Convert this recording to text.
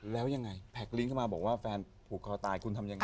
แล้วยังไงแท็กลิงก์เข้ามาบอกว่าแฟนผูกคอตายคุณทำยังไง